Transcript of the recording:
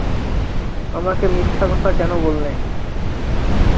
আমাকে মিথ্যা কথা কেন বললে?